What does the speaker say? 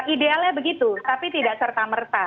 idealnya begitu tapi tidak serta merta